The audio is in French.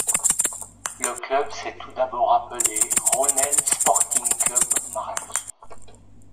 Le club s'est tout d'abord appelé Rhônel Sporting Club Marly.